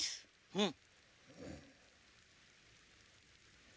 うん。